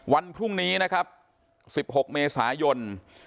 วันพรุ่งนี้๑๖เมษายน